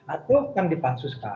atau akan dipansuskan